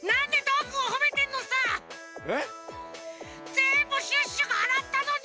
ぜんぶシュッシュがあらったのに！